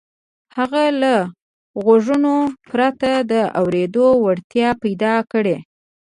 هغه له غوږونو پرته د اورېدو وړتيا پيدا کړي.